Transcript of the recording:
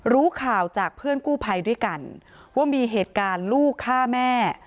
รู้ข่าวจากเพื่อนกู้ภัยด้วยกันว่ามีเหตุการณ์ลูกฆ่าแม่